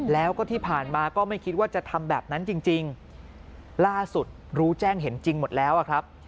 แล้วก็ที่ผ่านมาก็ไม่คิดว่าจะทำแบบนั้นจริงล่าสุดรู้แจ้งเห็นจริงหมดแล้วอะครับ